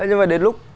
nhưng mà đến lúc